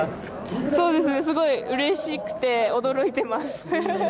すごいうれしくて驚いています。